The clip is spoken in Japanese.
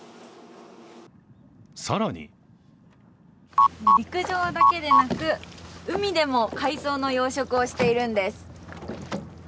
更に陸上だけでなく海でも海藻の養殖をしているんです。